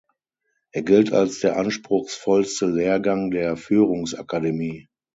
Er gilt als der anspruchsvollste Lehrgang der Führungsakademie.